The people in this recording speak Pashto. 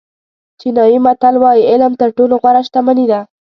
چینایي متل وایي علم تر ټولو غوره شتمني ده.